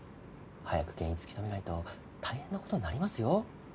早く原因突き止めないと大変な事になりますよ。